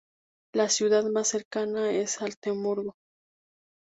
La ciudad más cercana es Altenburgo.